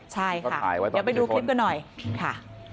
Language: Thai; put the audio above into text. ใช่ค่ะเดี๋ยวไปดูคลิปกันหน่อยค่ะ